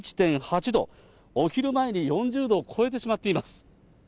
お昼前に４０度を超えてしまっています。